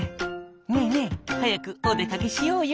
「ねえねえはやくおでかけしようよ！」。